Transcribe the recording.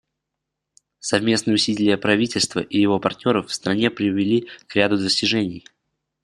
Совместные усилия правительства и его партнеров в стране привели к ряду достижений.